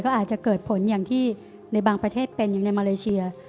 ก็อาจจะเกิดผลอย่างที่ในบางประเทศเป็นอย่างในมาเลเซีย